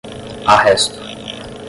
arresto